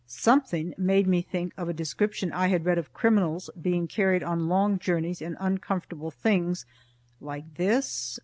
Something made me think of a description I had read of criminals being carried on long journeys in uncomfortable things like this?